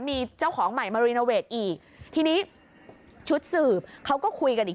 มีเจ้าของใหม่มารีโนเวทอีกทีนี้ชุดสืบเขาก็คุยกันอีก